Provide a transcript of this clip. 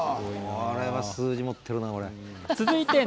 これは数字持ってるな。